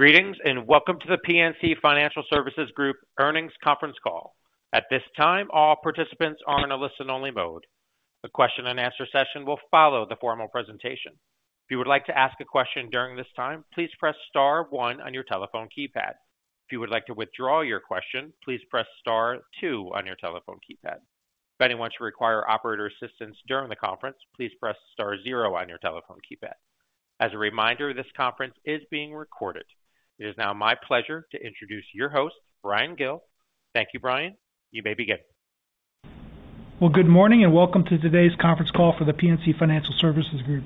Greetings and welcome to the PNC Financial Services Group earnings conference call. At this time, all participants are in a listen-only mode. The question-and-answer session will follow the formal presentation. If you would like to ask a question during this time, please press star one on your telephone keypad. If you would like to withdraw your question, please press star two on your telephone keypad. If anyone should require operator assistance during the conference, please press star zero on your telephone keypad. As a reminder, this conference is being recorded. It is now my pleasure to introduce your host, Bryan Gill. Thank you, Bryan. You may begin. Well, good morning and welcome to today's conference call for the PNC Financial Services Group.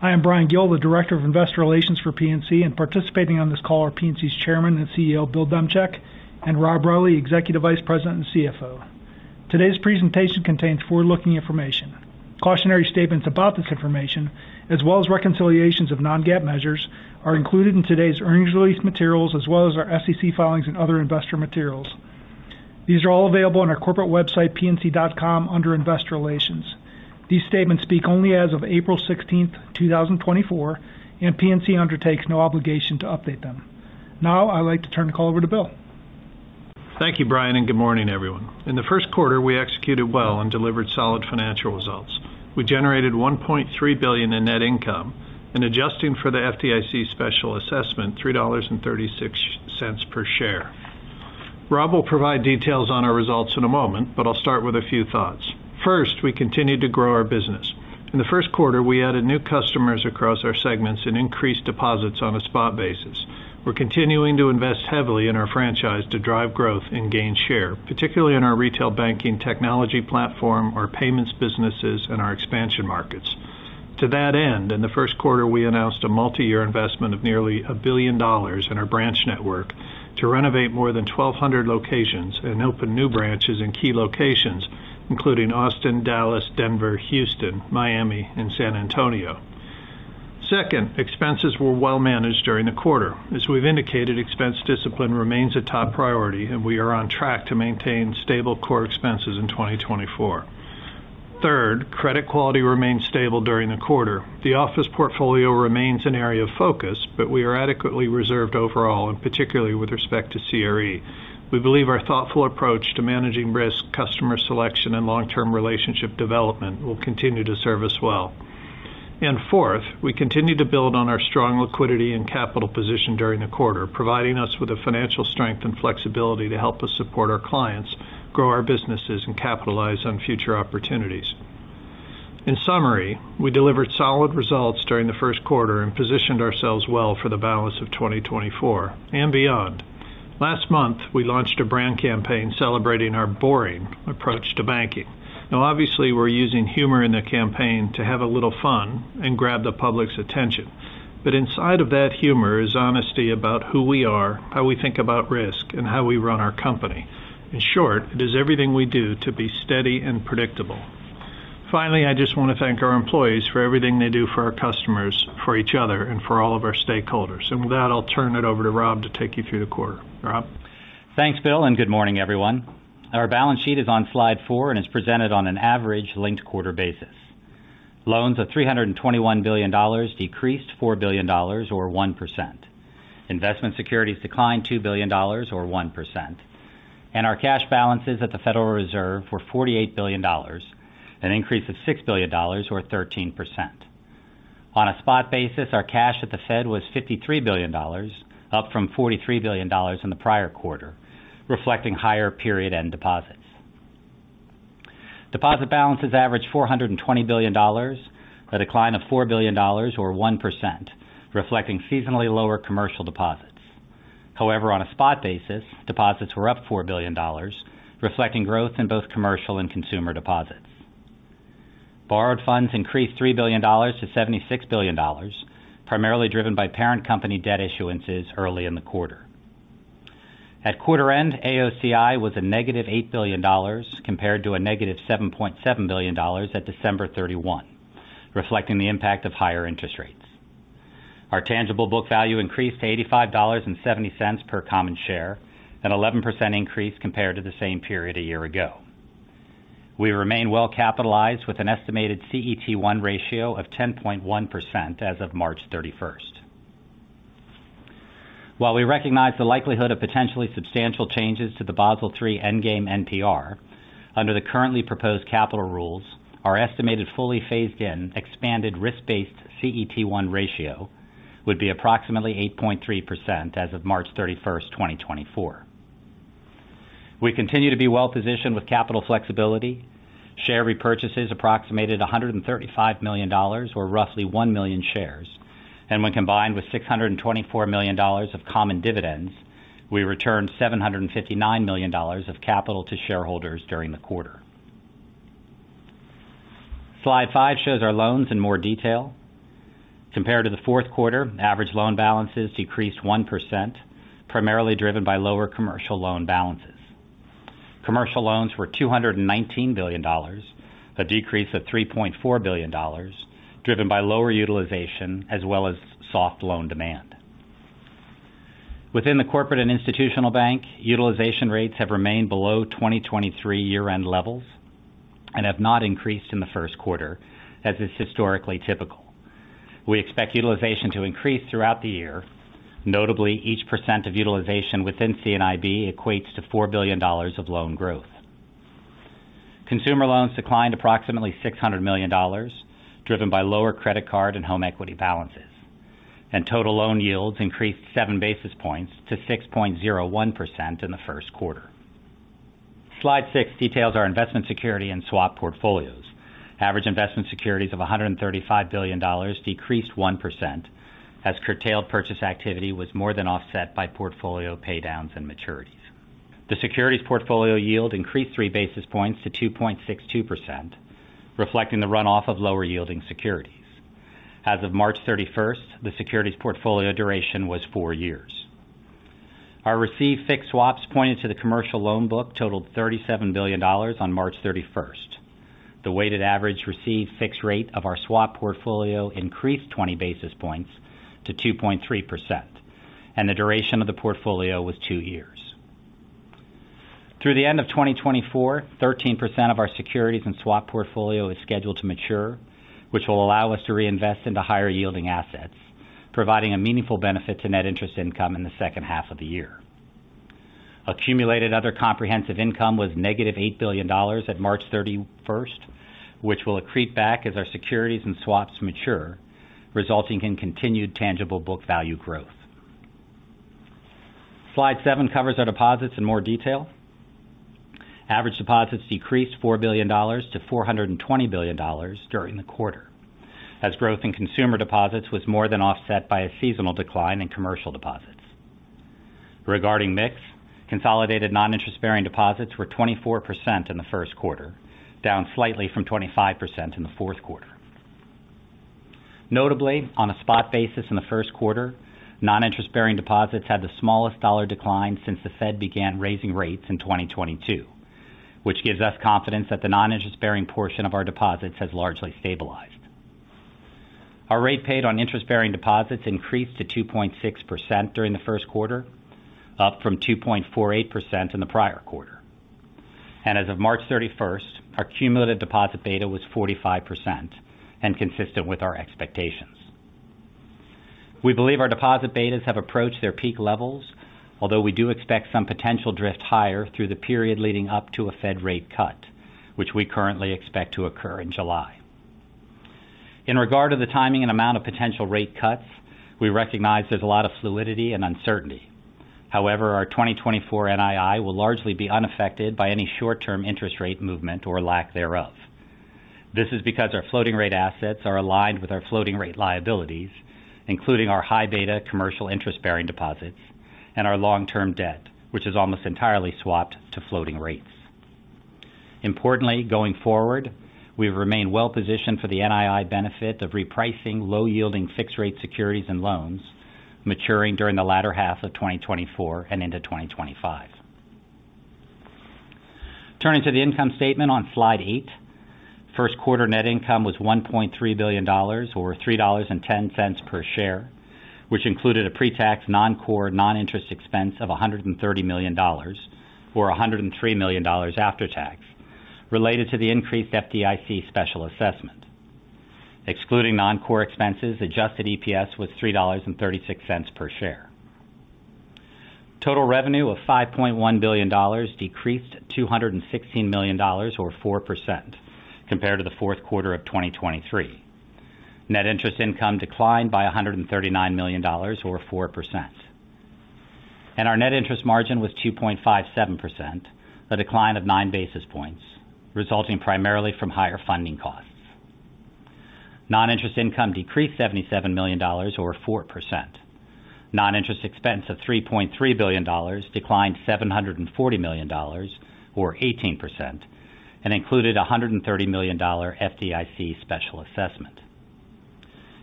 I am Bryan Gill, the Director of Investor Relations for PNC, and participating on this call are PNC's Chairman and CEO, Bill Demchak, and Rob Reilly, Executive Vice President and CFO. Today's presentation contains forward-looking information. Cautionary statements about this information, as well as reconciliations of non-GAAP measures, are included in today's earnings release materials as well as our SEC filings and other investor materials. These are all available on our corporate website, pnc.com, under Investor Relations. These statements speak only as of April 16, 2024, and PNC undertakes no obligation to update them. Now I'd like to turn the call over to Bill. Thank you, Bryan, and good morning, everyone. In the first quarter, we executed well and delivered solid financial results. We generated $1.3 billion in net income, and adjusting for the FDIC special assessment, $3.36 per share. Rob will provide details on our results in a moment, but I'll start with a few thoughts. First, we continued to grow our business. In the first quarter, we added new customers across our segments and increased deposits on a spot basis. We're continuing to invest heavily in our franchise to drive growth and gain share, particularly in our retail banking technology platform, our payments businesses, and our expansion markets. To that end, in the first quarter, we announced a multi-year investment of nearly $1 billion in our branch network to renovate more than 1,200 locations and open new branches in key locations, including Austin, Dallas, Denver, Houston, Miami, and San Antonio. Second, expenses were well managed during the quarter. As we've indicated, expense discipline remains a top priority, and we are on track to maintain stable core expenses in 2024. Third, credit quality remained stable during the quarter. The office portfolio remains an area of focus, but we are adequately reserved overall, and particularly with respect to CRE. We believe our thoughtful approach to managing risk, customer selection, and long-term relationship development will continue to serve us well. And fourth, we continue to build on our strong liquidity and capital position during the quarter, providing us with the financial strength and flexibility to help us support our clients, grow our businesses, and capitalize on future opportunities. In summary, we delivered solid results during the first quarter and positioned ourselves well for the balance of 2024 and beyond. Last month, we launched a brand campaign celebrating our "boring" approach to banking. Now, obviously, we're using humor in the campaign to have a little fun and grab the public's attention. But inside of that humor is honesty about who we are, how we think about risk, and how we run our company. In short, it is everything we do to be steady and predictable. Finally, I just want to thank our employees for everything they do for our customers, for each other, and for all of our stakeholders. With that, I'll turn it over to Rob to take you through the quarter. Rob? Thanks, Bill, and good morning, everyone. Our balance sheet is on slide 4 and is presented on an average-linked quarter basis. Loans of $321 billion decreased $4 billion, or 1%. Investment securities declined $2 billion, or 1%. Our cash balances at the Federal Reserve were $48 billion, an increase of $6 billion, or 13%. On a spot basis, our cash at the Fed was $53 billion, up from $43 billion in the prior quarter, reflecting higher period-end deposits. Deposit balances averaged $420 billion, a decline of $4 billion, or 1%, reflecting seasonally lower commercial deposits. However, on a spot basis, deposits were up $4 billion, reflecting growth in both commercial and consumer deposits. Borrowed funds increased $3 billion to $76 billion, primarily driven by parent company debt issuances early in the quarter. At quarter-end, AOCI was a negative $8 billion compared to a negative $7.7 billion at December 31, reflecting the impact of higher interest rates. Our tangible book value increased to $85.70 per common share, an 11% increase compared to the same period a year ago. We remain well capitalized with an estimated CET1 ratio of 10.1% as of March 31. While we recognize the likelihood of potentially substantial changes to the Basel III Endgame NPR, under the currently proposed capital rules, our estimated fully phased-in expanded risk-based CET1 ratio would be approximately 8.3% as of March 31, 2024. We continue to be well positioned with capital flexibility. Share repurchases approximated $135 million, or roughly 1 million shares, and when combined with $624 million of common dividends, we returned $759 million of capital to shareholders during the quarter. Slide 5 shows our loans in more detail. Compared to the fourth quarter, average loan balances decreased 1%, primarily driven by lower commercial loan balances. Commercial loans were $219 billion, a decrease of $3.4 billion, driven by lower utilization as well as soft loan demand. Within the corporate and institutional bank, utilization rates have remained below 2023 year-end levels and have not increased in the first quarter, as is historically typical. We expect utilization to increase throughout the year. Notably, each percent of utilization within C&IB equates to $4 billion of loan growth. Consumer loans declined approximately $600 million, driven by lower credit card and home equity balances, and total loan yields increased 7 basis points to 6.01% in the first quarter. Slide 6 details our investment security and swap portfolios. Average investment securities of $135 billion decreased 1% as curtailed purchase activity was more than offset by portfolio paydowns and maturities. The securities portfolio yield increased 3 basis points to 2.62%, reflecting the runoff of lower-yielding securities. As of March 31, the securities portfolio duration was four years. Our received Fixed Swaps pointed to the commercial loan book totaled $37 billion on March 31. The weighted average received fixed rate of our swap portfolio increased 20 basis points to 2.3%, and the duration of the portfolio was two years. Through the end of 2024, 13% of our securities and swap portfolio is scheduled to mature, which will allow us to reinvest into higher-yielding assets, providing a meaningful benefit to Net Interest Income in the second half of the year. Accumulated Other Comprehensive Income was negative $8 billion at March 31, which will accrete back as our securities and swaps mature, resulting in continued Tangible Book Value growth. Slide 7 covers our deposits in more detail. Average deposits decreased $4 billion to $420 billion during the quarter, as growth in consumer deposits was more than offset by a seasonal decline in commercial deposits. Regarding mix, consolidated non-interest-bearing deposits were 24% in the first quarter, down slightly from 25% in the fourth quarter. Notably, on a spot basis in the first quarter, non-interest-bearing deposits had the smallest dollar decline since the Fed began raising rates in 2022, which gives us confidence that the non-interest-bearing portion of our deposits has largely stabilized. Our rate paid on interest-bearing deposits increased to 2.6% during the first quarter, up from 2.48% in the prior quarter. As of March 31, our cumulative deposit beta was 45% and consistent with our expectations. We believe our deposit betas have approached their peak levels, although we do expect some potential drift higher through the period leading up to a Fed rate cut, which we currently expect to occur in July. In regard to the timing and amount of potential rate cuts, we recognize there's a lot of fluidity and uncertainty. However, our 2024 NII will largely be unaffected by any short-term interest rate movement or lack thereof. This is because our floating-rate assets are aligned with our floating-rate liabilities, including our high-beta commercial interest-bearing deposits and our long-term debt, which is almost entirely swapped to floating rates. Importantly, going forward, we remain well positioned for the NII benefit of repricing low-yielding fixed-rate securities and loans, maturing during the latter half of 2024 and into 2025. Turning to the income statement on slide 8, first-quarter net income was $1.3 billion, or $3.10 per share, which included a pre-tax non-core non-interest expense of $130 million, or $103 million after tax, related to the increased FDIC special assessment. Excluding non-core expenses, adjusted EPS was $3.36 per share. Total revenue of $5.1 billion decreased $216 million, or 4%, compared to the fourth quarter of 2023. Net interest income declined by $139 million, or 4%. Our net interest margin was 2.57%, a decline of 9 basis points, resulting primarily from higher funding costs. Non-interest income decreased $77 million, or 4%. Non-interest expense of $3.3 billion declined $740 million, or 18%, and included a $130 million FDIC special assessment.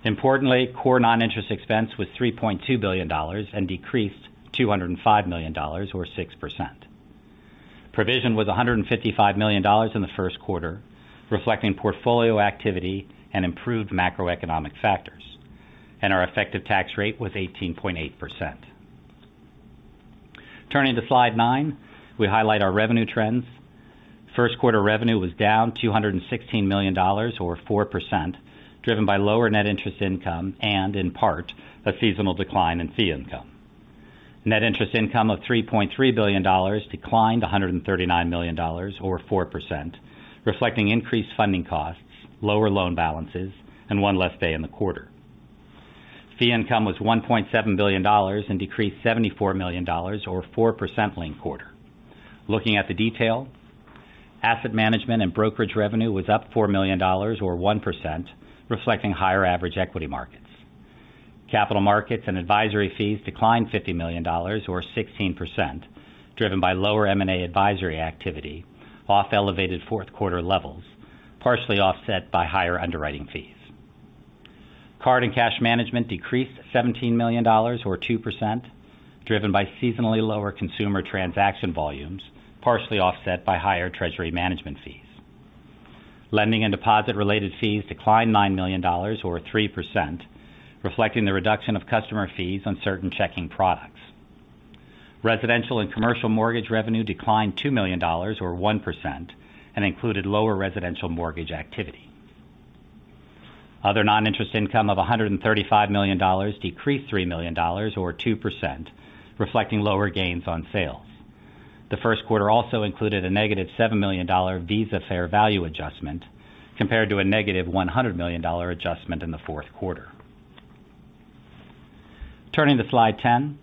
Importantly, core non-interest expense was $3.2 billion and decreased $205 million, or 6%. Provision was $155 million in the first quarter, reflecting portfolio activity and improved macroeconomic factors. Our effective tax rate was 18.8%. Turning to slide 9, we highlight our revenue trends. First-quarter revenue was down $216 million, or 4%, driven by lower net interest income and, in part, a seasonal decline in fee income. Net interest income of $3.3 billion declined $139 million, or 4%, reflecting increased funding costs, lower loan balances, and one less day in the quarter. Fee income was $1.7 billion and decreased $74 million, or 4% linked quarter. Looking at the detail, asset management and brokerage revenue was up $4 million, or 1%, reflecting higher average equity markets. Capital markets and advisory fees declined $50 million, or 16%, driven by lower M&A advisory activity off elevated fourth-quarter levels, partially offset by higher underwriting fees. Card and cash management decreased $17 million, or 2%, driven by seasonally lower consumer transaction volumes, partially offset by higher treasury management fees. Lending and deposit-related fees declined $9 million, or 3%, reflecting the reduction of customer fees on certain checking products. Residential and commercial mortgage revenue declined $2 million, or 1%, and included lower residential mortgage activity. Other non-interest income of $135 million decreased $3 million, or 2%, reflecting lower gains on sales. The first quarter also included a negative $7 million Visa fair value adjustment compared to a negative $100 million adjustment in the fourth quarter. Turning to slide 10,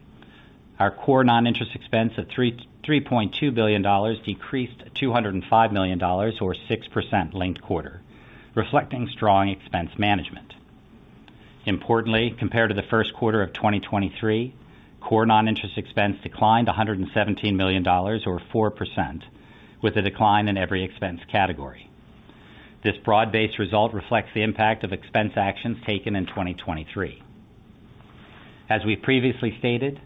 our core non-interest expense of $3.2 billion decreased $205 million, or 6% linked-quarter, reflecting strong expense management. Importantly, compared to the first quarter of 2023, core non-interest expense declined $117 million, or 4%, with a decline in every expense category. This broad-based result reflects the impact of expense actions taken in 2023. As we've previously stated,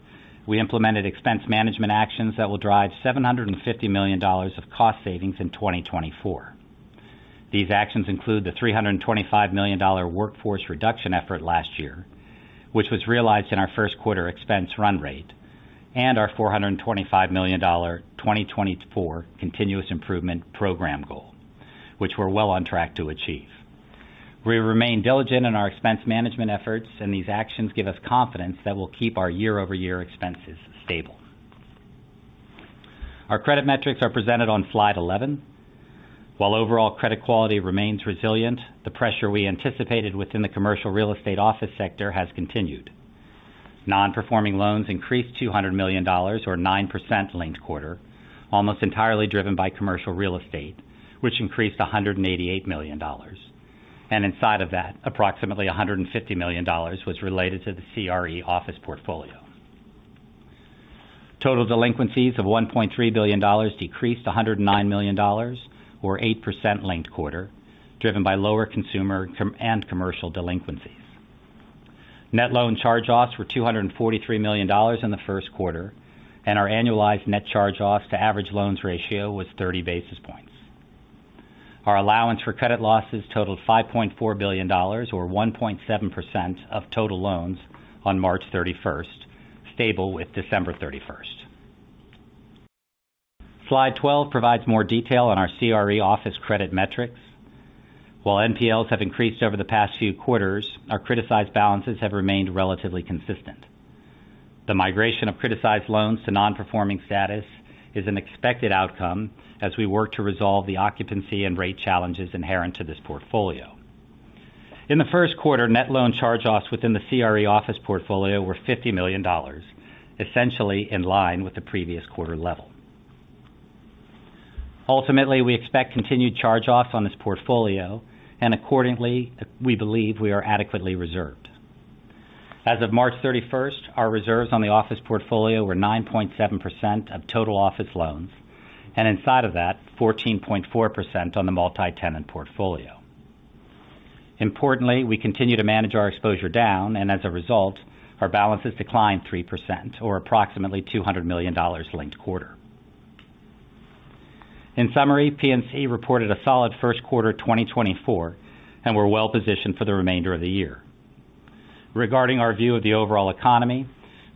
we implemented expense management actions that will drive $750 million of cost savings in 2024. These actions include the $325 million workforce reduction effort last year, which was realized in our first-quarter expense run rate, and our $425 million 2024 continuous improvement program goal, which we're well on track to achieve. We remain diligent in our expense management efforts, and these actions give us confidence that we'll keep our year-over-year expenses stable. Our credit metrics are presented on slide 11. While overall credit quality remains resilient, the pressure we anticipated within the commercial real estate office sector has continued. Non-performing loans increased $200 million, or 9% linked quarter, almost entirely driven by commercial real estate, which increased $188 million. Inside of that, approximately $150 million was related to the CRE office portfolio. Total delinquencies of $1.3 billion decreased $109 million, or 8% linked quarter, driven by lower consumer and commercial delinquencies. Net loan charge-offs were $243 million in the first quarter, and our annualized net charge-offs to average loans ratio was 30 basis points. Our allowance for credit losses totaled $5.4 billion, or 1.7% of total loans on March 31, stable with December 31. Slide 12 provides more detail on our CRE office credit metrics. While NPLs have increased over the past few quarters, our criticized balances have remained relatively consistent. The migration of criticized loans to non-performing status is an expected outcome as we work to resolve the occupancy and rate challenges inherent to this portfolio. In the first quarter, net loan charge-offs within the CRE office portfolio were $50 million, essentially in line with the previous quarter level. Ultimately, we expect continued charge-offs on this portfolio, and accordingly, we believe we are adequately reserved. As of March 31, our reserves on the office portfolio were 9.7% of total office loans, and inside of that, 14.4% on the multi-tenant portfolio. Importantly, we continue to manage our exposure down, and as a result, our balances declined 3%, or approximately $200 million linked-quarter. In summary, PNC reported a solid first quarter 2024 and were well positioned for the remainder of the year. Regarding our view of the overall economy,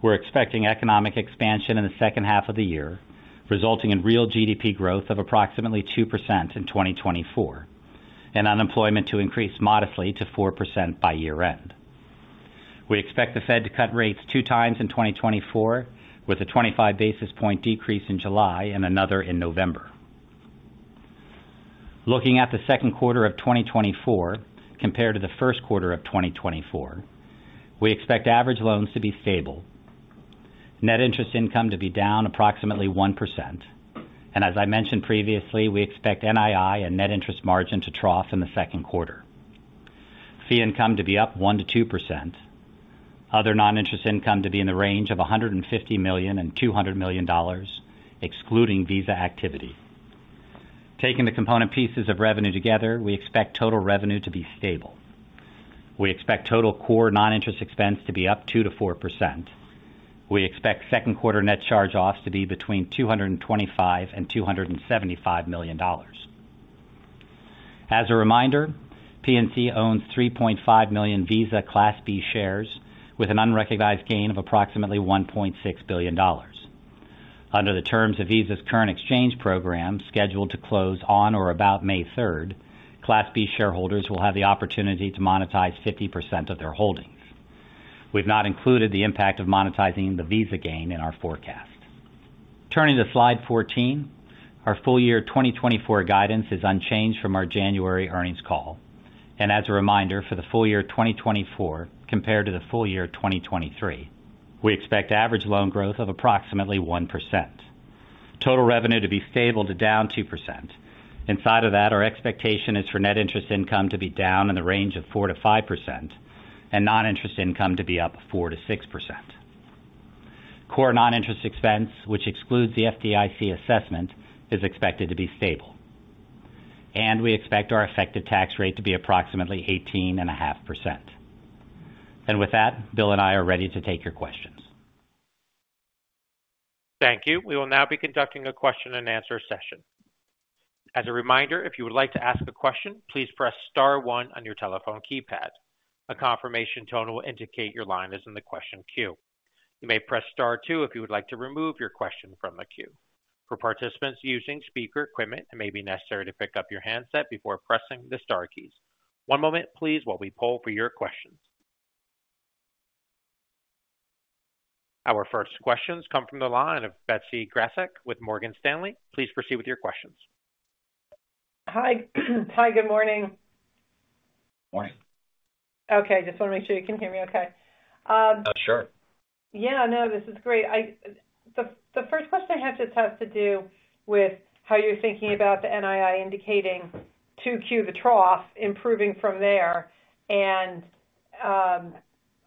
we're expecting economic expansion in the second half of the year, resulting in real GDP growth of approximately 2% in 2024 and unemployment to increase modestly to 4% by year-end. We expect the Fed to cut rates two times in 2024, with a 25 basis point decrease in July and another in November. Looking at the second quarter of 2024 compared to the first quarter of 2024, we expect average loans to be stable, net interest income to be down approximately 1%, and as I mentioned previously, we expect NII and net interest margin to trough in the second quarter. Fee income to be up 1%-2%. Other non-interest income to be in the range of $150 million and $200 million, excluding Visa activity. Taking the component pieces of revenue together, we expect total revenue to be stable. We expect total core non-interest expense to be up 2%-4%. We expect second-quarter net charge-offs to be between $225 and $275 million. As a reminder, PNC owns 3.5 million Visa Class B Shares with an unrecognized gain of approximately $1.6 billion. Under the terms of Visa's current exchange program, scheduled to close on or about May 3rd, Class B shareholders will have the opportunity to monetize 50% of their holdings. We've not included the impact of monetizing the Visa gain in our forecast. Turning to slide 14, our full-year 2024 guidance is unchanged from our January earnings call. As a reminder, for the full-year 2024 compared to the full-year 2023, we expect average loan growth of approximately 1%. Total revenue to be stable to down 2%. Inside of that, our expectation is for net interest income to be down in the range of 4%-5% and non-interest income to be up 4%-6%. Core non-interest expense, which excludes the FDIC assessment, is expected to be stable. We expect our effective tax rate to be approximately 18.5%. With that, Bill and I are ready to take your questions. Thank you. We will now be conducting a question-and-answer session. As a reminder, if you would like to ask a question, please press star one on your telephone keypad. A confirmation tone will indicate your line is in the question queue. You may press star two if you would like to remove your question from the queue. For participants using speaker equipment, it may be necessary to pick up your handset before pressing the star keys. One moment, please, while we poll for your questions. Our first questions come from the line of Betsy Graseck with Morgan Stanley. Please proceed with your questions. Hi. Hi. Good morning. Morning. Okay. Just want to make sure you can hear me okay. Sure. Yeah. No, this is great. The first question I have just has to do with how you're thinking about the NII indicating 2Q as the trough, improving from there. And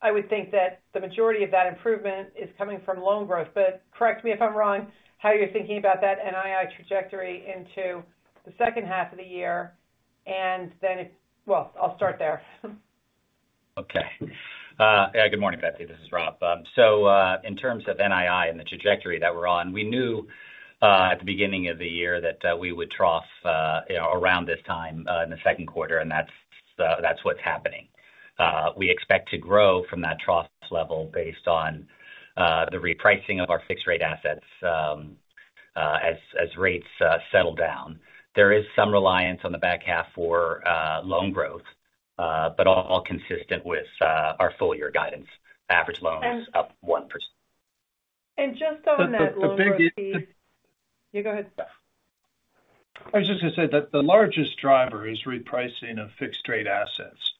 I would think that the majority of that improvement is coming from loan growth. But correct me if I'm wrong, how you're thinking about that NII trajectory into the second half of the year. And then, well, I'll start there. Okay. Yeah. Good morning, Betsy. This is Rob. So in terms of NII and the trajectory that we're on, we knew at the beginning of the year that we would trough around this time in the second quarter, and that's what's happening. We expect to grow from that trough level based on the repricing of our fixed-rate assets as rates settle down. There is some reliance on the back half for loan growth, but all consistent with our full-year guidance, average loans up 1%. Just on that loan growth piece. The biggest. Yeah. Go ahead. I was just going to say that the largest driver is repricing of fixed-rate assets.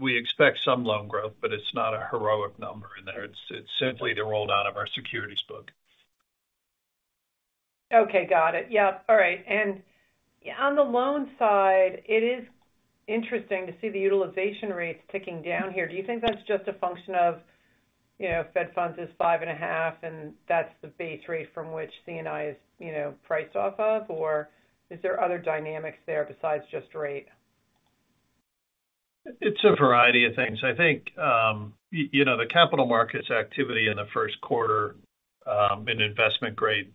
We expect some loan growth, but it's not a heroic number in there. It's simply the roll-down of our securities book. Okay. Got it. Yep. All right. On the loan side, it is interesting to see the utilization rates ticking down here. Do you think that's just a function of Fed funds is 5.5, and that's the base rate from which C&I is priced off of, or is there other dynamics there besides just rate? It's a variety of things. I think the capital markets activity in the first quarter in investment-grade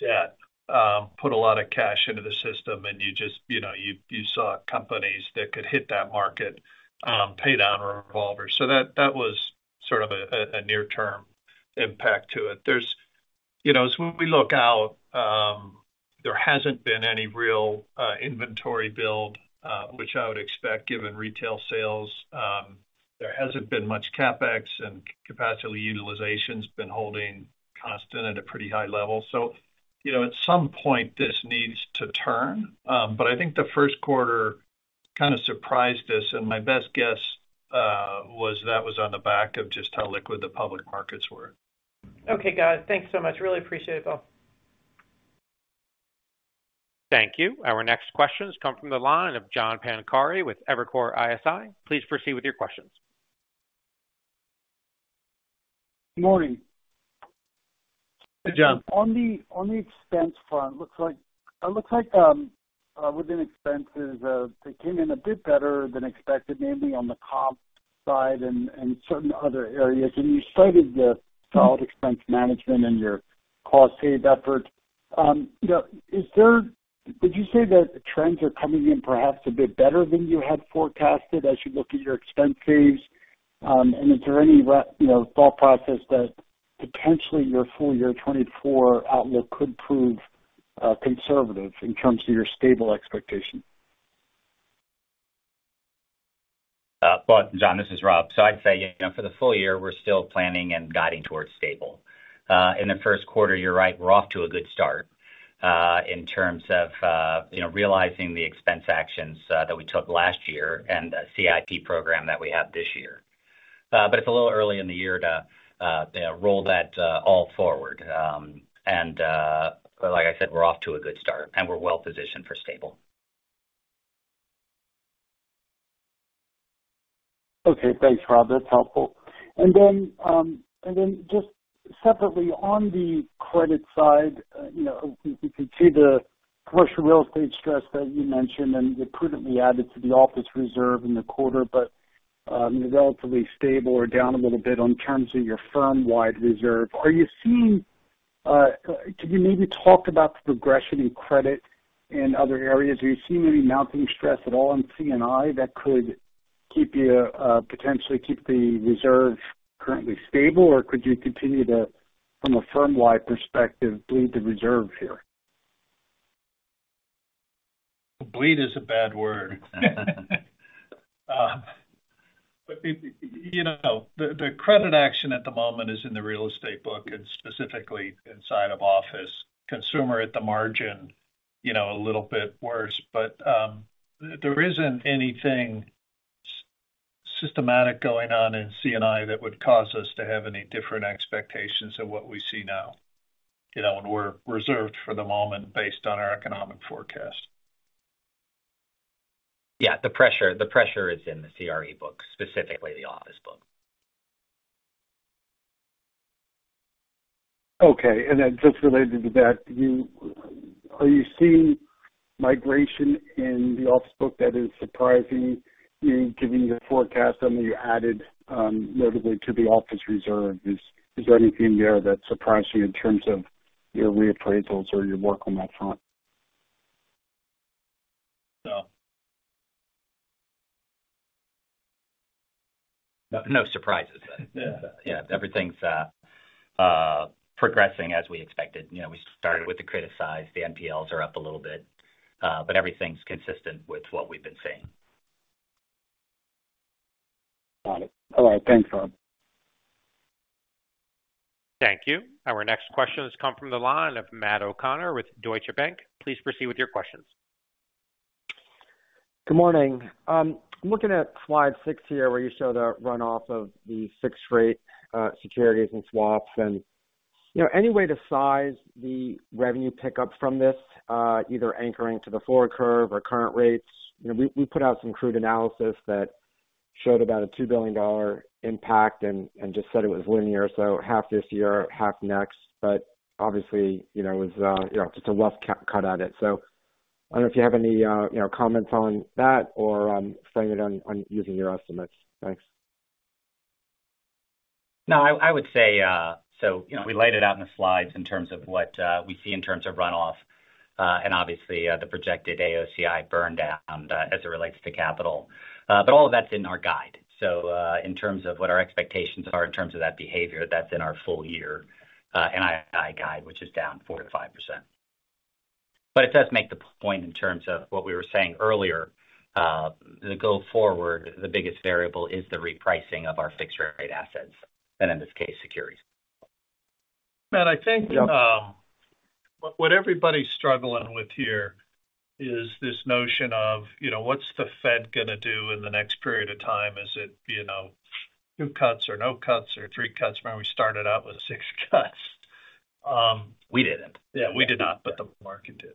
debt put a lot of cash into the system, and you saw companies that could hit that market pay down revolvers. So that was sort of a near-term impact to it. As we look out, there hasn't been any real inventory build, which I would expect given retail sales. There hasn't been much capex, and capacity utilization's been holding constant at a pretty high level. So at some point, this needs to turn. But I think the first quarter kind of surprised us, and my best guess was that was on the back of just how liquid the public markets were. Okay. Got it. Thanks so much. Really appreciate it, Bill. Thank you. Our next questions come from the line of John Pancari with Evercore ISI. Please proceed with your questions. Good morning. Hey, John. On the expense front, it looks like within expenses, they came in a bit better than expected, mainly on the comp side and certain other areas. You cited the solid expense management and your cost-save effort. Would you say that trends are coming in perhaps a bit better than you had forecasted as you look at your expense saves? Is there any thought process that potentially your full-year 2024 outlook could prove conservative in terms of your stable expectations? But John, this is Rob. So I'd say for the full year, we're still planning and guiding towards stable. In the first quarter, you're right. We're off to a good start in terms of realizing the expense actions that we took last year and the CIP program that we have this year. But it's a little early in the year to roll that all forward. And like I said, we're off to a good start, and we're well positioned for stable. Okay. Thanks, Rob. That's helpful. And then just separately, on the credit side, we can see the commercial real estate stress that you mentioned and the prudently added to the office reserve in the quarter, but relatively stable or down a little bit in terms of your firm-wide reserve. Can you maybe talk about the progression in credit in other areas? Are you seeing any mounting stress at all in C&I that could potentially keep the reserve currently stable, or could you continue to, from a firm-wide perspective, bleed the reserve here? Bleed is a bad word. But the credit action at the moment is in the real estate book and specifically inside of office. Consumer at the margin, a little bit worse. But there isn't anything systematic going on in C&IB that would cause us to have any different expectations than what we see now when we're reserved for the moment based on our economic forecast. Yeah. The pressure is in the CRE book, specifically the office book. Okay. Then just related to that, are you seeing migration in the office book that is surprising you, given your forecast on the added, notably, to the office reserve? Is there anything there that's surprising you in terms of your reappraisals or your work on that front? No. No surprises. Yeah. Everything's progressing as we expected. We started with the criticized. The NPLs are up a little bit, but everything's consistent with what we've been seeing. Got it. All right. Thanks, Rob. Thank you. Our next question has come from the line of Matt O'Connor with Deutsche Bank. Please proceed with your questions. Good morning. I'm looking at slide 6 here where you show the runoff of the fixed-rate securities and swaps. Any way to size the revenue pickup from this, either anchoring to the forward curve or current rates? We put out some crude analysis that showed about a $2 billion impact and just said it was linear, so half this year, half next. Obviously, it was just a rough cut at it. I don't know if you have any comments on that or framing it on using your estimates. Thanks. No. I would say so we laid it out in the slides in terms of what we see in terms of runoff and obviously the projected AOCI burn-down as it relates to capital. But all of that's in our guide. So in terms of what our expectations are in terms of that behavior, that's in our full-year NII guide, which is down 4%-5%. But it does make the point in terms of what we were saying earlier. To go forward, the biggest variable is the repricing of our fixed-rate assets and, in this case, securities. And I think what everybody's struggling with here is this notion of what's the Fed going to do in the next period of time? Is it 2 cuts or no cuts or 3 cuts? Remember, we started out with 6 cuts. We didn't. Yeah. We did not, but the market did.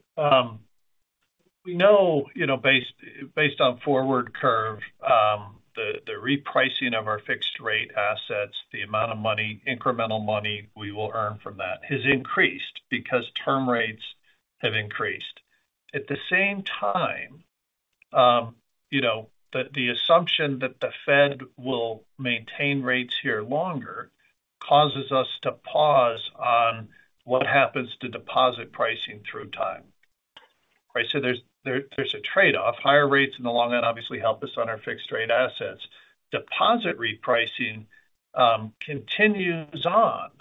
We know, based on forward curve, the repricing of our fixed-rate assets, the amount of incremental money we will earn from that has increased because term rates have increased. At the same time, the assumption that the Fed will maintain rates here longer causes us to pause on what happens to deposit pricing through time. Right? So there's a trade-off. Higher rates in the long run obviously help us on our fixed-rate assets. Deposit repricing continues on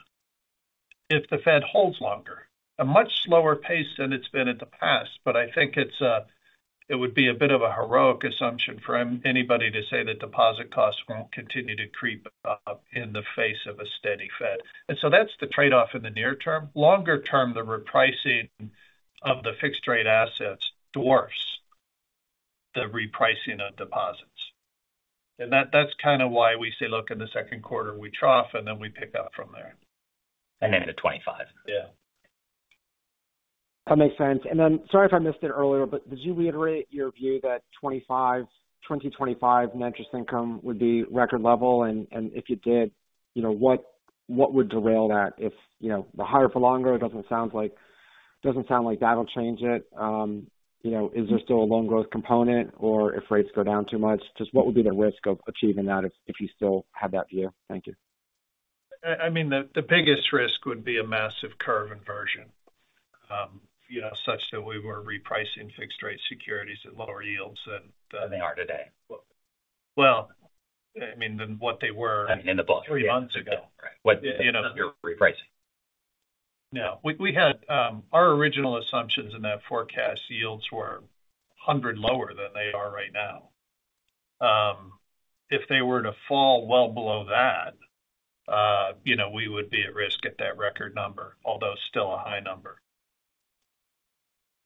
if the Fed holds longer, a much slower pace than it's been in the past. But I think it would be a bit of a heroic assumption for anybody to say that deposit costs won't continue to creep up in the face of a steady Fed. And so that's the trade-off in the near term. Longer term, the repricing of the fixed-rate assets dwarfs the repricing of deposits. That's kind of why we say, "Look, in the second quarter, we trough, and then we pick up from there. Into 2025. Yeah. That makes sense. And then sorry if I missed it earlier, but did you reiterate your view that 2025 net interest income would be record level? And if you did, what would derail that? If the higher for longer doesn't sound like that'll change it, is there still a loan growth component? Or if rates go down too much, just what would be the risk of achieving that if you still had that view? Thank you. I mean, the biggest risk would be a massive curve inversion such that we were repricing fixed-rate securities at lower yields than the. Than they are today. Well, I mean, than what they were. In the book. Three months ago. Right. You're repricing. No. Our original assumptions in that forecast, yields were 100 lower than they are right now. If they were to fall well below that, we would be at risk at that record number, although still a high number.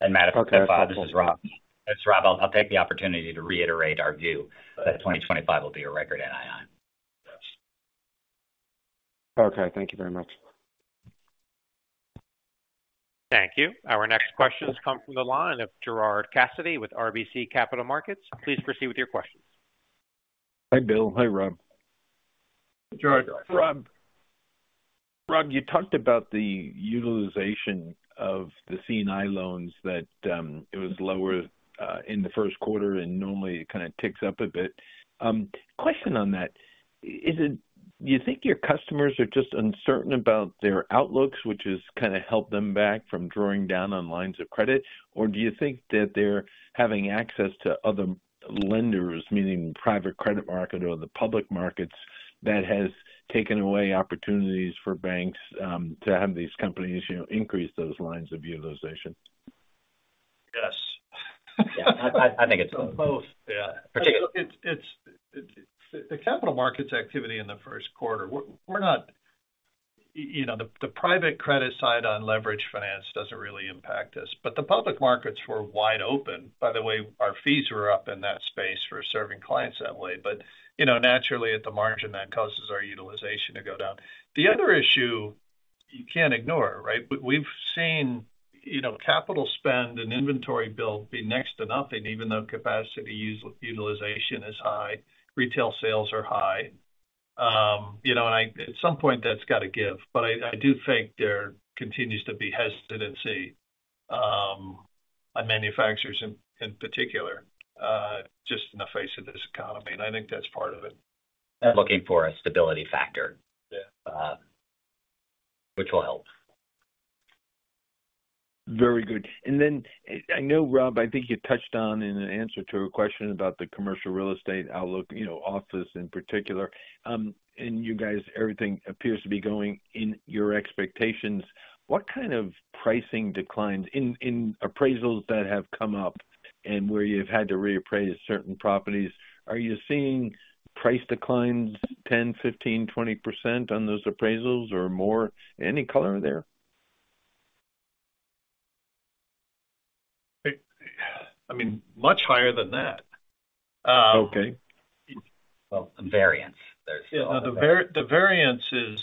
And Matt, this is Rob. It's Rob. I'll take the opportunity to reiterate our view that 2025 will be a record NII. Yes. Okay. Thank you very much. Thank you. Our next questions come from the line of Gerard Cassidy with RBC Capital Markets. Please proceed with your questions. Hi, Bill. Hi, Rob. Hi, Gerard. Rob, you talked about the utilization of the C&IB loans that it was lower in the first quarter, and normally, it kind of ticks up a bit. Question on that: do you think your customers are just uncertain about their outlooks, which has kind of held them back from drawing down on lines of credit? Or do you think that they're having access to other lenders, meaning the private credit market or the public markets, that has taken away opportunities for banks to have these companies increase those lines of utilization? Yes. I think it's both. The capital markets activity in the first quarter, we're not the private credit side on leveraged finance doesn't really impact us. But the public markets were wide open. By the way, our fees were up in that space for serving clients that way. But naturally, at the margin, that causes our utilization to go down. The other issue you can't ignore, right? We've seen capital spend and inventory build be next to nothing, even though capacity utilization is high, retail sales are high. And at some point, that's got to give. But I do think there continues to be hesitancy on manufacturers in particular, just in the face of this economy. And I think that's part of it. And looking for a stability factor, which will help. Very good. And then I know, Rob, I think you touched on in an answer to a question about the commercial real estate outlook, office in particular. And everything appears to be going in your expectations. What kind of pricing declines in appraisals that have come up and where you've had to reappraise certain properties, are you seeing price declines 10%, 15%, 20% on those appraisals or more? Any color there? I mean, much higher than that. Well, variance. There's still… Yeah. The variance is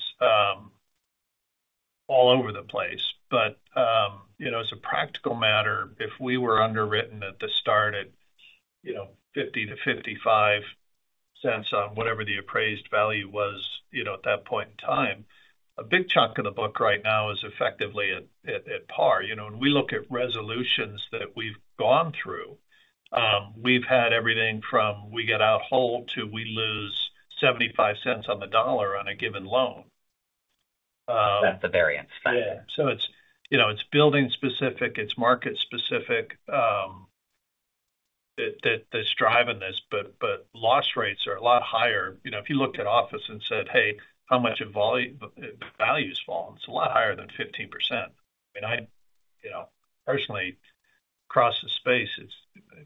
all over the place. But as a practical matter, if we were underwritten at the start at 50-55 cents on whatever the appraised value was at that point in time, a big chunk of the book right now is effectively at par. When we look at resolutions that we've gone through, we've had everything from we get out whole to we lose 75 cents on the dollar on a given loan. That's the variance factor. Yeah. So it's building-specific. It's market-specific that's driving this. But loss rates are a lot higher. If you looked at office and said, "Hey, how much of values fall?" It's a lot higher than 15%. I mean, personally, across the space, in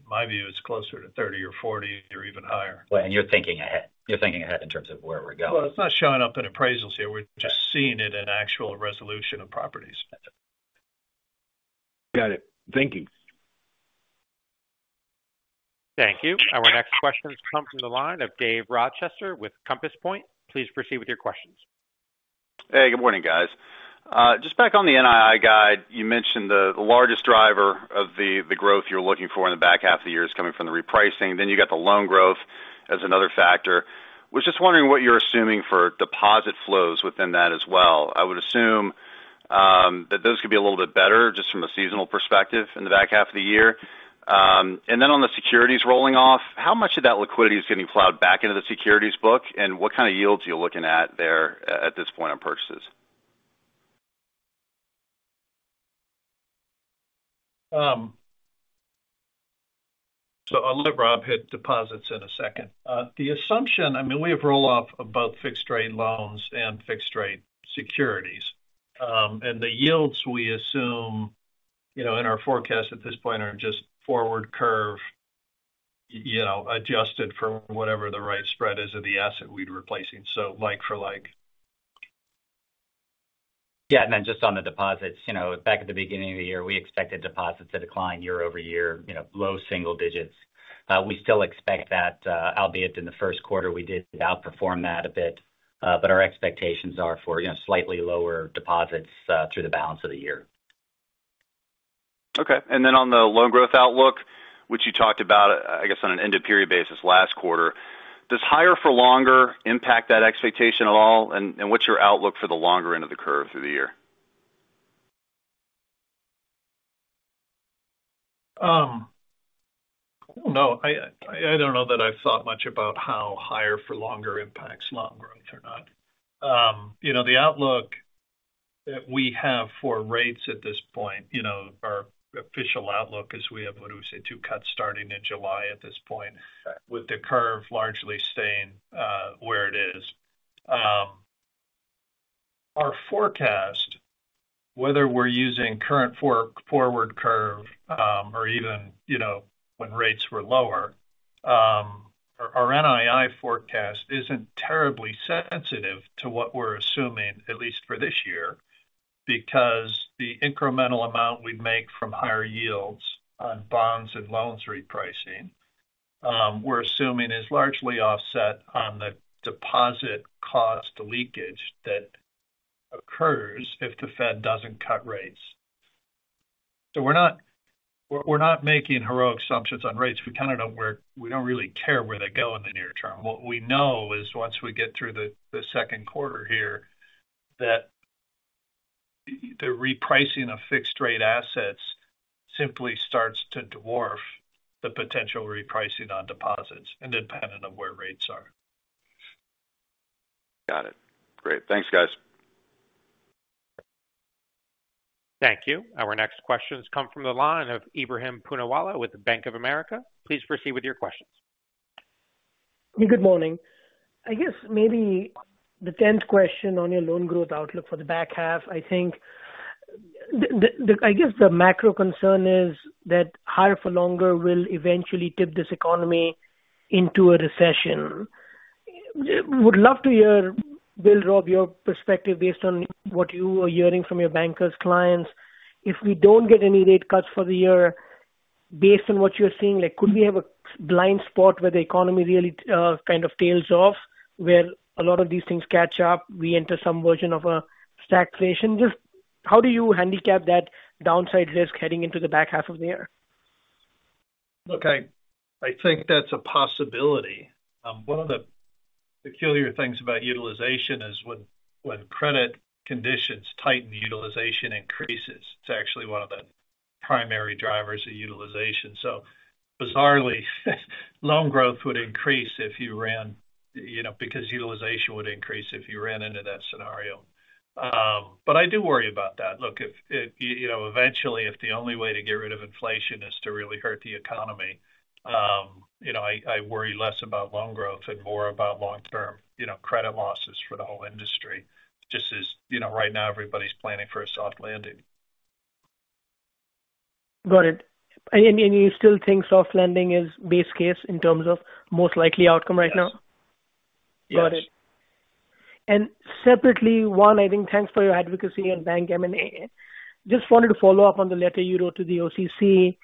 my view, it's closer to 30% or 40% or even higher. Right. You're thinking ahead. You're thinking ahead in terms of where we're going. Well, it's not showing up in appraisals here. We're just seeing it in actual resolution of properties. Got it. Thank you. Thank you. Our next questions come from the line of Dave Rochester with Compass Point. Please proceed with your questions. Hey. Good morning, guys. Just back on the NII guide, you mentioned the largest driver of the growth you're looking for in the back half of the year is coming from the repricing. Then you got the loan growth as another factor. I was just wondering what you're assuming for deposit flows within that as well. I would assume that those could be a little bit better just from a seasonal perspective in the back half of the year. And then on the securities rolling off, how much of that liquidity is getting plowed back into the securities book? And what kind of yields are you looking at there at this point on purchases? So I'll let Rob hit deposits in a second. I mean, we have roll-off of both fixed-rate loans and fixed-rate securities. And the yields we assume in our forecast at this point are just forward curve adjusted for whatever the right spread is of the asset we'd be replacing, so like for like. Yeah. And then just on the deposits, back at the beginning of the year, we expected deposits to decline year-over-year, low single digits. We still expect that, albeit in the first quarter, we did outperform that a bit. But our expectations are for slightly lower deposits through the balance of the year. Okay. And then on the loan growth outlook, which you talked about, I guess, on an end-of-period basis last quarter, does higher for longer impact that expectation at all? And what's your outlook for the longer end of the curve through the year? I don't know. I don't know that I've thought much about how higher for longer impacts loan growth or not. The outlook that we have for rates at this point, our official outlook is we have, what do we say, two cuts starting in July at this point, with the curve largely staying where it is. Our forecast, whether we're using current forward curve or even when rates were lower, our NII forecast isn't terribly sensitive to what we're assuming, at least for this year, because the incremental amount we'd make from higher yields on bonds and loans repricing, we're assuming, is largely offset on the deposit cost leakage that occurs if the Fed doesn't cut rates. So we're not making heroic assumptions on rates. We kind of don't, we don't really care where they go in the near term. What we know is once we get through the second quarter here, that the repricing of fixed-rate assets simply starts to dwarf the potential repricing on deposits independent of where rates are. Got it. Great. Thanks, guys. Thank you. Our next questions come from the line of Ebrahim Poonawala with Bank of America. Please proceed with your questions. Good morning. I guess maybe the 10th question on your loan growth outlook for the back half, I think I guess the macro concern is that higher for longer will eventually tip this economy into a recession. Would love to hear, Bill, Rob, your perspective based on what you are hearing from your bankers' clients. If we don't get any rate cuts for the year, based on what you're seeing, could we have a blind spot where the economy really kind of tails off, where a lot of these things catch up, we enter some version of a stagflation? Just how do you handicap that downside risk heading into the back half of the year? Okay. I think that's a possibility. One of the peculiar things about utilization is when credit conditions tighten, utilization increases. It's actually one of the primary drivers of utilization. So bizarrely, loan growth would increase if you ran because utilization would increase if you ran into that scenario. But I do worry about that. Look, eventually, if the only way to get rid of inflation is to really hurt the economy, I worry less about loan growth and more about long-term credit losses for the whole industry, just as right now, everybody's planning for a soft landing. Got it. You still think soft landing is base case in terms of most likely outcome right now? Yes. Got it. Separately, one, I think thanks for your advocacy on bank M&A. Just wanted to follow up on the letter you wrote to the OCC.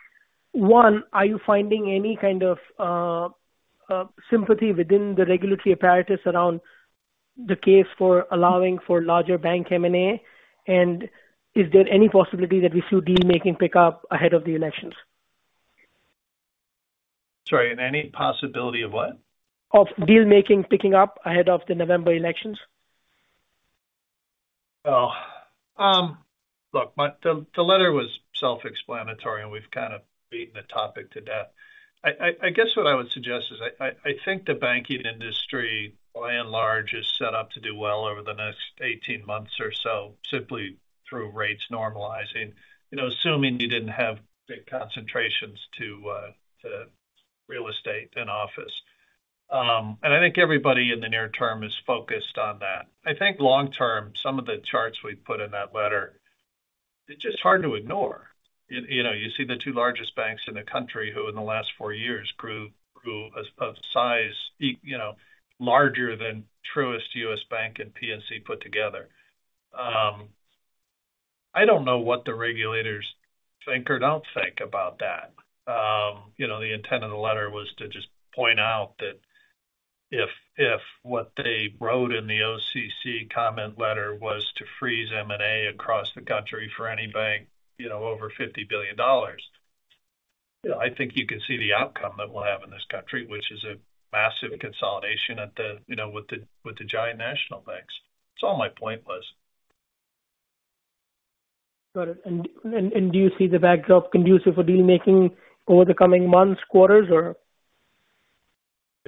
One, are you finding any kind of sympathy within the regulatory apparatus around the case for allowing for larger bank M&A? And is there any possibility that we see deal-making pick up ahead of the elections? Sorry. Any possibility of what? Of deal-making picking up ahead of the November elections? Well, look, the letter was self-explanatory, and we've kind of beaten the topic to death. I guess what I would suggest is I think the banking industry, by and large, is set up to do well over the next 18 months or so simply through rates normalizing, assuming you didn't have big concentrations to real estate and office. And I think everybody in the near term is focused on that. I think long-term, some of the charts we put in that letter, they're just hard to ignore. You see the 2 largest banks in the country who, in the last 4 years, grew of size larger than Truist, U.S. Bank and PNC put together. I don't know what the regulators think or don't think about that. The intent of the letter was to just point out that if what they wrote in the OCC comment letter was to freeze M&A across the country for any bank over $50 billion, I think you can see the outcome that we'll have in this country, which is a massive consolidation with the giant national banks. So all my point was. Got it. Do you see the backdrop conducive for deal-making over the coming months, quarters, or?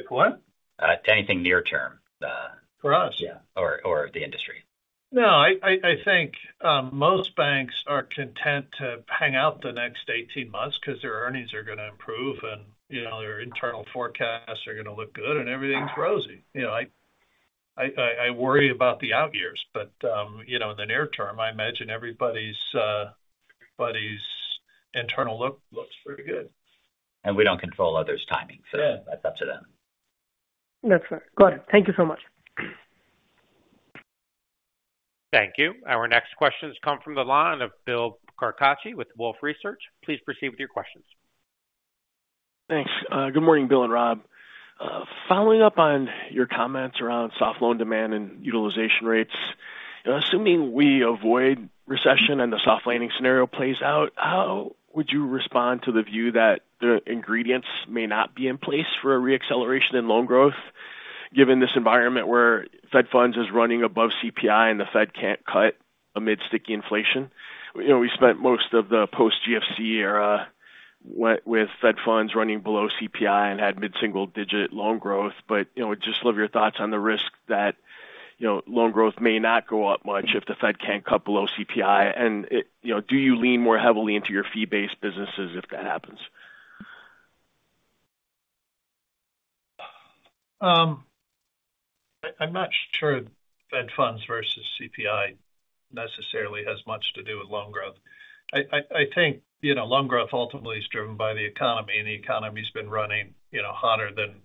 What? To anything near term. For us? Yeah. Or the industry? No. I think most banks are content to hang out the next 18 months because their earnings are going to improve, and their internal forecasts are going to look good, and everything's rosy. I worry about the out years. But in the near term, I imagine everybody's internal look looks pretty good. And we don't control others' timing, so that's up to them. That's fair. Got it. Thank you so much. Thank you. Our next questions come from the line of Bill Carcache with Wolfe Research. Please proceed with your questions. Thanks. Good morning, Bill and Rob. Following up on your comments around soft loan demand and utilization rates, assuming we avoid recession and the soft landing scenario plays out, how would you respond to the view that the ingredients may not be in place for a reacceleration in loan growth given this environment where Fed funds is running above CPI and the Fed can't cut amid sticky inflation? We spent most of the post-GFC era with Fed funds running below CPI and had mid-single-digit loan growth. But just love your thoughts on the risk that loan growth may not go up much if the Fed can't cut below CPI. And do you lean more heavily into your fee-based businesses if that happens? I'm not sure Fed funds versus CPI necessarily has much to do with loan growth. I think loan growth ultimately is driven by the economy, and the economy's been running hotter than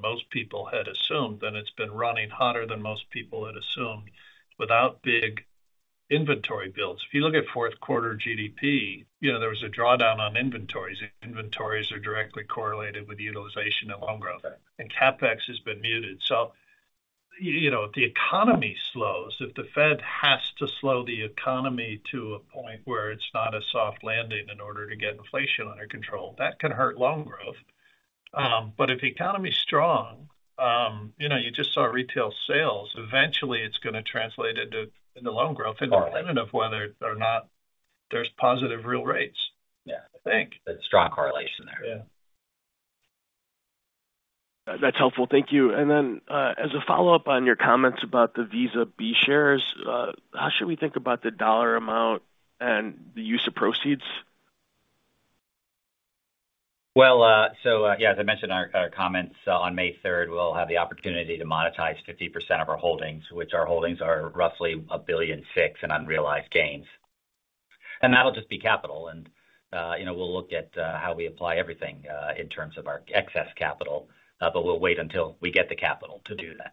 most people had assumed, and it's been running hotter than most people had assumed without big inventory builds. If you look at fourth-quarter GDP, there was a drawdown on inventories. Inventories are directly correlated with utilization and loan growth. CapEx has been muted. If the economy slows, if the Fed has to slow the economy to a point where it's not a soft landing in order to get inflation under control, that can hurt loan growth. If the economy's strong, you just saw retail sales. Eventually, it's going to translate into loan growth independent of whether there's positive real rates, I think. Yeah. It's a strong correlation there. Yeah. That's helpful. Thank you. And then as a follow-up on your comments about the Visa B shares, how should we think about the dollar amount and the use of proceeds? Well, so yeah, as I mentioned in our comments on May 3rd, we'll have the opportunity to monetize 50% of our holdings, which our holdings are roughly $1.6 billion in unrealized gains. And that'll just be capital. And we'll look at how we apply everything in terms of our excess capital. But we'll wait until we get the capital to do that.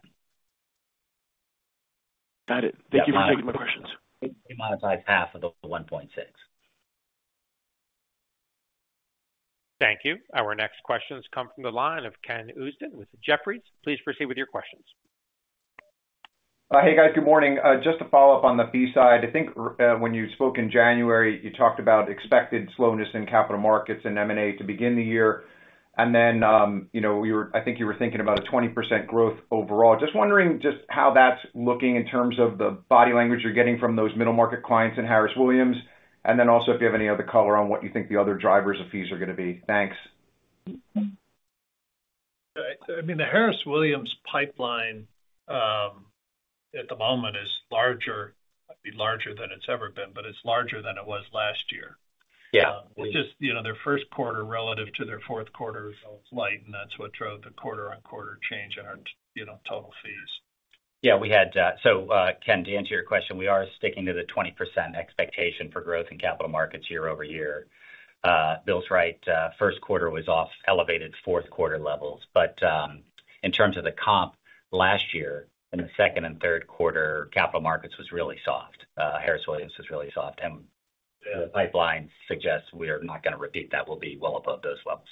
Got it. Thank you for taking my questions. We monetize half of the $1.6. Thank you. Our next questions come from the line of Ken Usdin with Jefferies. Please proceed with your questions. Hey, guys. Good morning. Just to follow up on the fee side, I think when you spoke in January, you talked about expected slowness in capital markets and M&A to begin the year. And then I think you were thinking about a 20% growth overall. Just wondering just how that's looking in terms of the body language you're getting from those middle-market clients and Harris Williams, and then also if you have any other color on what you think the other drivers of fees are going to be. Thanks. I mean, the Harris Williams pipeline at the moment is larger. It'd be larger than it's ever been, but it's larger than it was last year, which is their first quarter relative to their fourth quarter was light, and that's what drove the quarter-on-quarter change in our total fees. Yeah. So Ken, to answer your question, we are sticking to the 20% expectation for growth in capital markets year-over-year. Bill's right, first quarter was off elevated fourth-quarter levels. But in terms of the comp last year, in the second and third quarter, capital markets was really soft. Harris Williams was really soft. And the pipeline suggests we are not going to repeat that. We'll be well above those levels.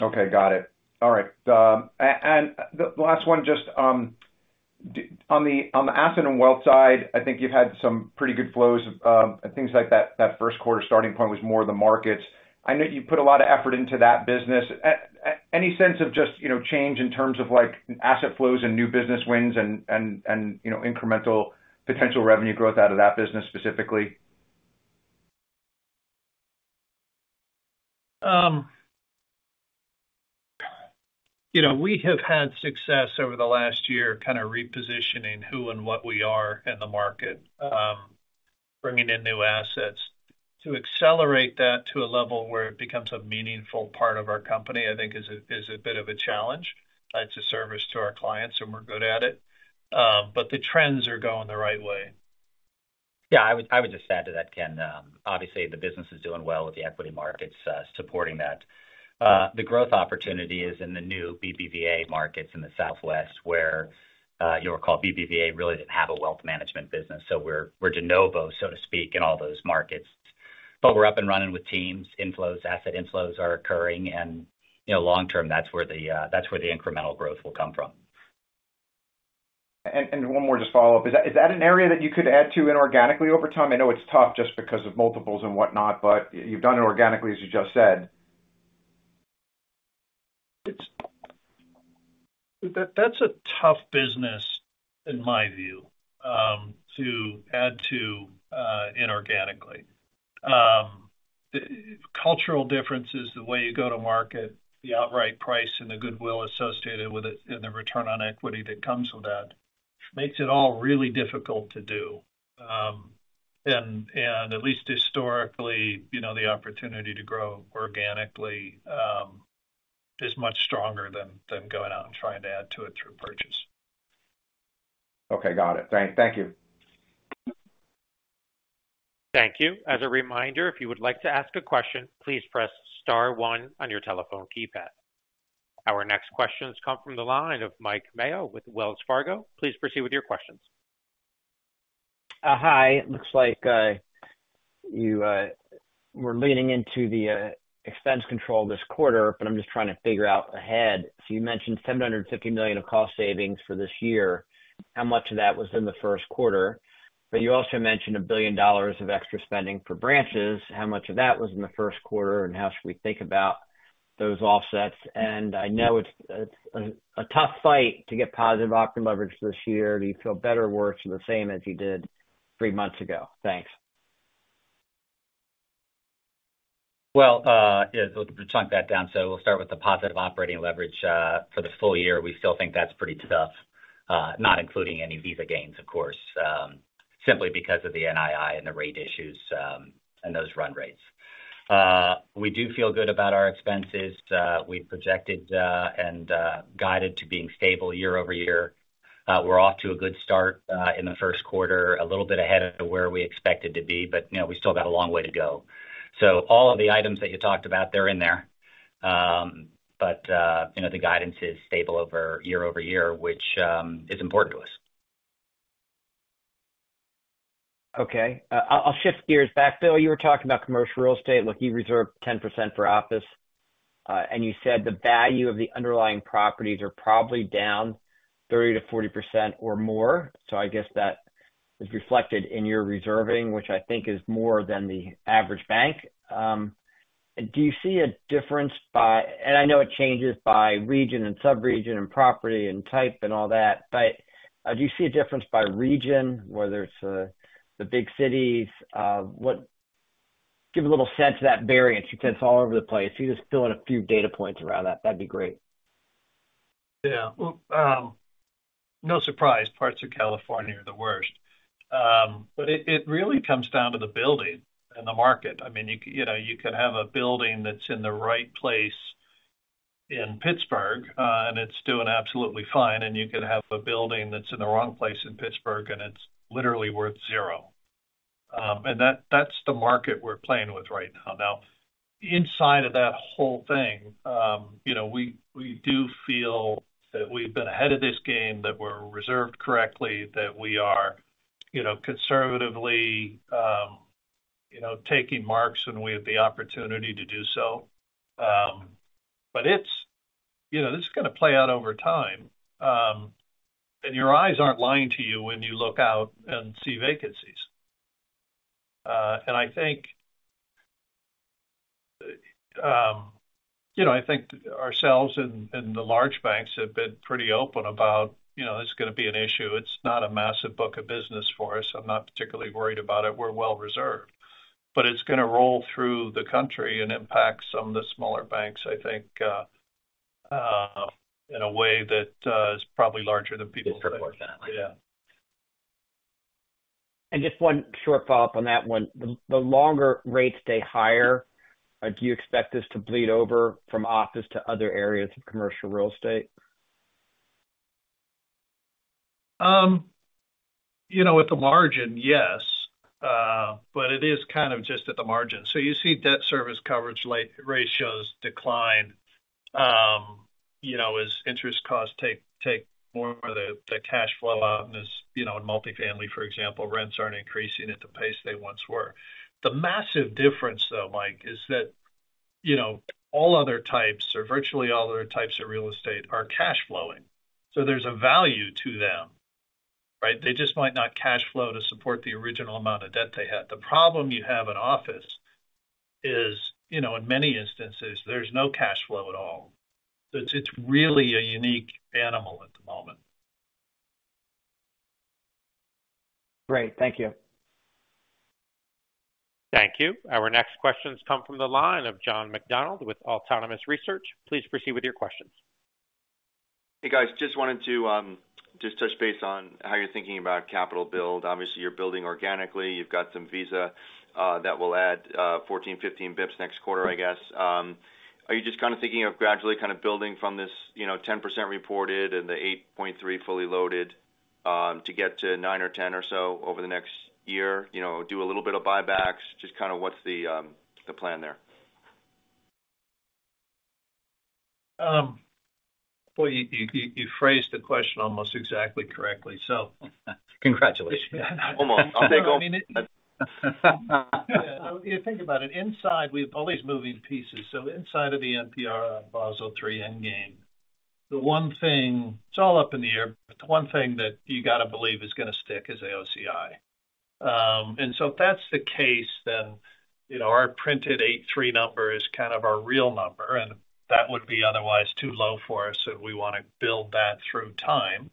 Okay. Got it. All right. And the last one, just on the asset and wealth side, I think you've had some pretty good flows of things like that. That first quarter starting point was more the markets. I know you put a lot of effort into that business. Any sense of just change in terms of asset flows and new business wins and incremental potential revenue growth out of that business specifically? We have had success over the last year kind of repositioning who and what we are in the market, bringing in new assets. To accelerate that to a level where it becomes a meaningful part of our company, I think, is a bit of a challenge. It's a service to our clients, and we're good at it. But the trends are going the right way. Yeah. I would just add to that, Ken. Obviously, the business is doing well with the equity markets supporting that. The growth opportunity is in the new BBVA markets in the Southwest where you recall BBVA really didn't have a wealth management business. So we're de novo, so to speak, in all those markets. But we're up and running with teams. Asset inflows are occurring. Long term, that's where the incremental growth will come from. One more just follow-up. Is that an area that you could add to inorganically over time? I know it's tough just because of multiples and whatnot, but you've done it organically, as you just said. That's a tough business, in my view, to add to inorganically. Cultural differences, the way you go to market, the outright price and the goodwill associated with it, and the return on equity that comes with that makes it all really difficult to do. And at least historically, the opportunity to grow organically is much stronger than going out and trying to add to it through purchase. Okay. Got it. Thank you. Thank you. As a reminder, if you would like to ask a question, please press star one on your telephone keypad. Our next questions come from the line of Mike Mayo with Wells Fargo. Please proceed with your questions. Hi. It looks like we're leaning into the expense control this quarter, but I'm just trying to figure out ahead. So you mentioned $750 million of cost savings for this year. How much of that was in the first quarter? But you also mentioned $1 billion of extra spending for branches. How much of that was in the first quarter, and how should we think about those offsets? And I know it's a tough fight to get positive operating leverage this year. Do you feel better, worse, or the same as you did three months ago? Thanks. Well, yeah, we'll chunk that down. So we'll start with the positive operating leverage for the full year. We still think that's pretty tough, not including any Visa gains, of course, simply because of the NII and the rate issues and those run rates. We do feel good about our expenses. We've projected and guided to being stable year-over-year. We're off to a good start in the first quarter, a little bit ahead of where we expected to be, but we still got a long way to go. So all of the items that you talked about, they're in there. But the guidance is stable year-over-year, which is important to us. Okay. I'll shift gears back. Bill, you were talking about commercial real estate. Look, you reserve 10% for office. And you said the value of the underlying properties are probably down 30%-40% or more. So I guess that is reflected in your reserving, which I think is more than the average bank. Do you see a difference by and I know it changes by region and subregion and property and type and all that. But do you see a difference by region, whether it's the big cities? Give a little sense of that variance. You said it's all over the place. If you just fill in a few data points around that, that'd be great. Yeah. Well, no surprise. Parts of California are the worst. But it really comes down to the building and the market. I mean, you could have a building that's in the right place in Pittsburgh, and it's doing absolutely fine. And you could have a building that's in the wrong place in Pittsburgh, and it's literally worth zero. And that's the market we're playing with right now. Now, inside of that whole thing, we do feel that we've been ahead of this game, that we're reserved correctly, that we are conservatively taking marks, and we have the opportunity to do so. But this is going to play out over time. And your eyes aren't lying to you when you look out and see vacancies. And I think ourselves and the large banks have been pretty open about it. It's going to be an issue. It's not a massive book of business for us. I'm not particularly worried about it. We're well reserved. But it's going to roll through the country and impact some of the smaller banks, I think, in a way that is probably larger than people think. Disproportionately. Yeah. Just one short follow-up on that one. The longer rates stay higher, do you expect this to bleed over from office to other areas of commercial real estate? At the margin, yes. But it is kind of just at the margin. So you see debt service coverage ratios decline as interest costs take more of the cash flow out. And in multifamily, for example, rents aren't increasing at the pace they once were. The massive difference, though, Mike, is that all other types or virtually all other types of real estate are cash-flowing. So there's a value to them, right? They just might not cash flow to support the original amount of debt they had. The problem you have in office is, in many instances, there's no cash flow at all. So it's really a unique animal at the moment. Great. Thank you. Thank you. Our next questions come from the line of John McDonald with Autonomous Research. Please proceed with your questions. Hey, guys. Just wanted to just touch base on how you're thinking about capital build. Obviously, you're building organically. You've got some Visa that will add 14-15 bps next quarter, I guess. Are you just kind of thinking of gradually kind of building from this 10% reported and the 8.3% fully loaded to get to 9% or 10% or so over the next year? Do a little bit of buybacks? Just kind of what's the plan there? Well, you phrased the question almost exactly correctly, so. Congratulations. Almost. I'll take home… Yeah. So think about it. Inside, we have all these moving pieces. So inside of the NPR, Basel III Endgame, it's all up in the air. But the one thing that you got to believe is going to stick is AOCI. And so if that's the case, then our printed 8.3% number is kind of our real number. And that would be otherwise too low for us, and we want to build that through time.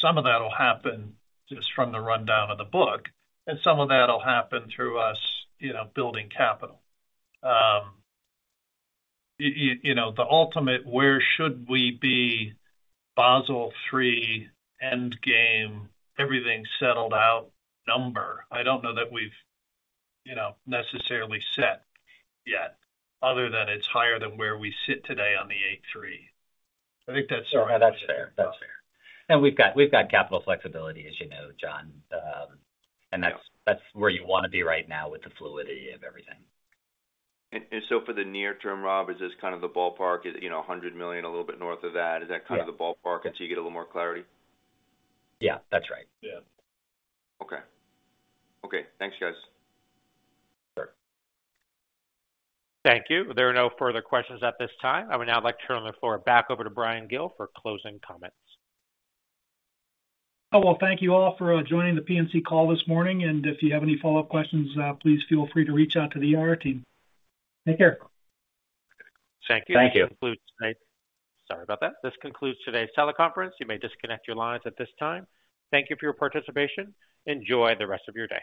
Some of that'll happen just from the rundown of the book. And some of that'll happen through us building capital. The ultimate, where should we be Basel III Endgame, everything settled out number, I don't know that we've necessarily set yet other than it's higher than where we sit today on the 8.3%. I think that's sort of. Oh, that's fair. That's fair. And we've got capital flexibility, as you know, John. And that's where you want to be right now with the fluidity of everything. And so for the near term, Rob, is this kind of the ballpark? Is it $100 million a little bit north of that? Is that kind of the ballpark until you get a little more clarity? Yeah. That's right. Yeah. Okay. Okay. Thanks, guys. Sure. Thank you. There are no further questions at this time. I would now like to turn the floor back over to Bryan Gill for closing comments. Oh, well, thank you all for joining the PNC call this morning. If you have any follow-up questions, please feel free to reach out to the team. Take care. Thank you. Thank you. This concludes today. Sorry about that. This concludes today's teleconference. You may disconnect your lines at this time. Thank you for your participation. Enjoy the rest of your day.